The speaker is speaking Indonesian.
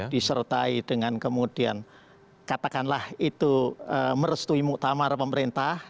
disertai dengan kemudian katakanlah itu merestui muktamar pemerintah